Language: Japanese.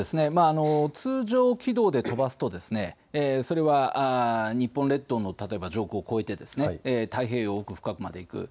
通常軌道で飛ばすとそれは日本列島の、例えば上空を越えて太平洋奥深くまで行く。